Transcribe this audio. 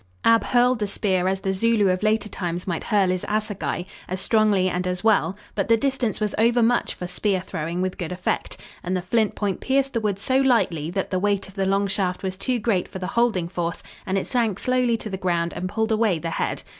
Ab hurled the spear as the Zulu of later times might hurl his assagai, as strongly and as well, but the distance was overmuch for spear throwing with good effect, and the flint point pierced the wood so lightly that the weight of the long shaft was too great for the holding force and it sank slowly to the ground and pulled away the head.